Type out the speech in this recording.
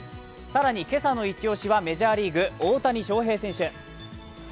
さらに今朝のイチ押しはメジャーリーグ、大谷翔平選手。